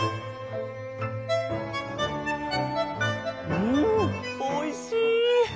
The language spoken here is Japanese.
うんおいしい！